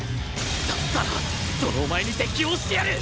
だったらそのお前に適応してやる！